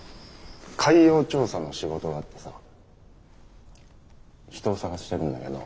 海洋調査の仕事があってさ人を探してるんだけど。